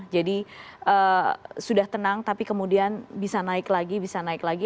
jadi sudah tenang tapi kemudian bisa naik lagi bisa naik lagi